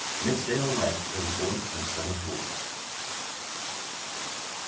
_Mixed Ale Life in the Fourth and Seventh Wards.